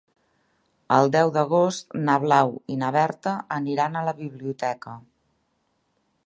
El deu d'agost na Blau i na Berta aniran a la biblioteca.